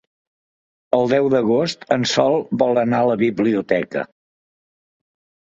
El deu d'agost en Sol vol anar a la biblioteca.